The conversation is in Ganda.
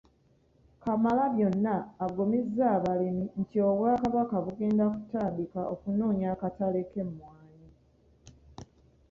Kamalabyonna agumizza abalimi nti Obwakabaka bugenda kutandika okunoonya akatale ky’emmwanyi.